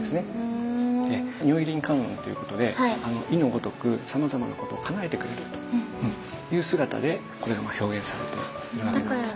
如意輪観音ということで意のごとくさまざまなことをかなえてくれるという姿でこのような表現されているわけですね。